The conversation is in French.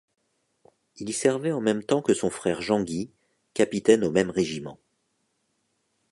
Il y servait en même temps que son frère Jean-Guy, capitaine au même régiment.